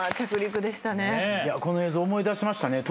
この映像思い出しましたね。